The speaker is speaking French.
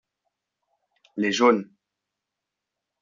Les jaunes.